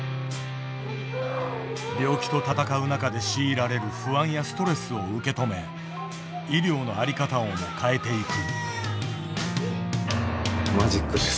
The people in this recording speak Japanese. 病気と闘う中で強いられる不安やストレスを受け止め医療のありかたをも変えていく。